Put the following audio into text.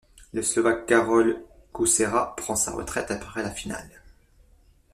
Le Slovaque Karol Kučera prend sa retraite après la finale.